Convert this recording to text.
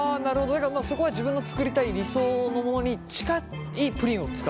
だからそこは自分の作りたい理想のものに近いプリンを使う？